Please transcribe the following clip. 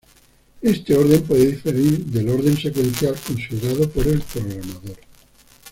Este orden puede diferir del orden secuencial considerado por el programador.